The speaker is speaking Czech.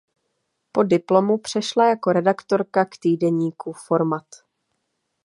Po diplomu přešla jako redaktorka k týdeníku "Format".